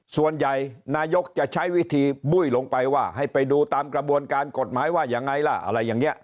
ส่วนใหญ่นายกจะใช้วิธีบุ้ยลงไปว่าให้ไปดูตามกระบวนการกฎหมายว่ายังไงล่ะอะไรอย่างนี้